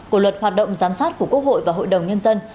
của luật hoạt động giám sát của quốc hội và hội đồng nhân dân